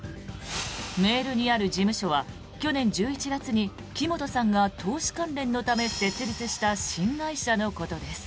メールにある事務所は去年１１月に木本さんが投資関連のため設立した新会社のことです。